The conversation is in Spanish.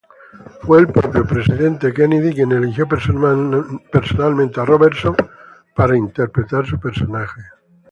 Fue el propio presidente Kennedy quien eligió personalmente a Robertson para interpretar su personaje.